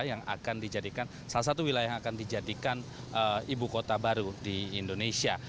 yang akan dijadikan salah satu wilayah yang akan dijadikan ibu kota baru di indonesia